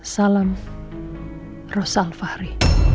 salam rosal fahri